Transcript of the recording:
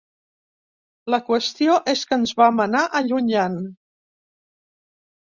La qüestió és que ens vam anar allunyant.